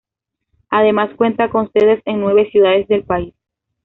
Además cuenta con sedes en nueve ciudades del país.